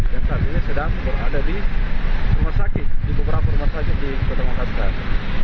dan saat ini sedang berada di rumah sakit di beberapa rumah sakit di kota makassar